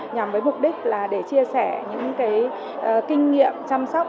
nhằm với mục đích là để chia sẻ những kinh nghiệm chăm sóc